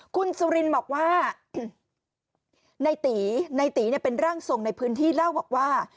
คุณสุรินบอกว่าในตีในตีเป็นร่างทรงในพื้นที่เล่าบอกว่า